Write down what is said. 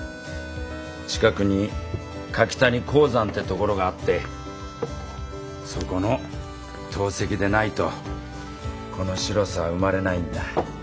近くに柿谷鉱山って所があってそこの陶石でないとこの白さは生まれないんだ。